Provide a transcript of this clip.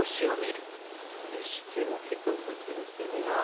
「意識を低くするセミナー」？